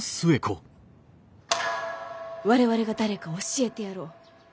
「我々が誰か教えてやろう。